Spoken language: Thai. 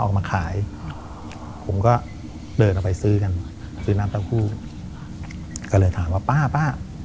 ออกมาขายผมก็เดินออกไปซื้อกันซื้อน้ำเต้าหู้ก็เลยถามว่าป้าป้า